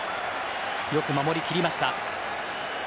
よく守り切りました。